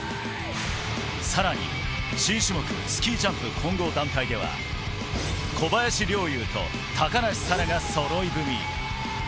さらに新種目、スキージャンプ混合団体では小林陵侑と高梨沙羅がそろい踏み。